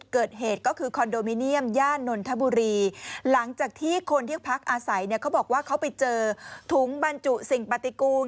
เขาบอกว่าเขาไปเจอถุงบรรจุสิ่งปฏิกูล